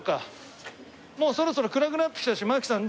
もうそろそろ暗くなってきたし槙さん